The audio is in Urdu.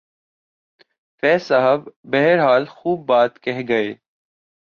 فیض صاحب بہرحال خوب بات کہہ گئے۔